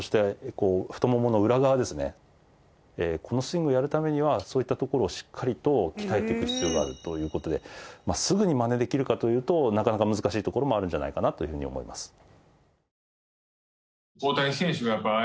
このスイングをやるためにはそういったところをしっかりと鍛えていく必要があるという事ですぐにまねできるかというとなかなか難しいところもあるんじゃないかなというふうに思います。